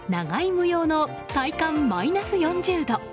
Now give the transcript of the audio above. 無用の体感マイナス４０度。